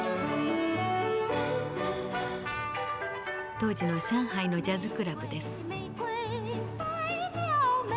当時の上海のジャズクラブです。